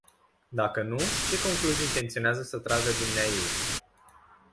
Dacă nu, ce concluzii intenționează să tragă dumneaei?